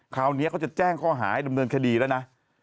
คราวนี้เขาจะแจ้งข้อหาให้ดำเนินคดีแล้วนะ